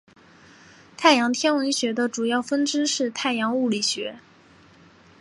太阳天文学的主要分支是太阳物理学。